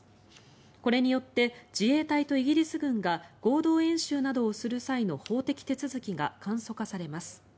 これによって自衛隊とイギリス軍が合同演習などをする際の法的手続きが簡素化されます。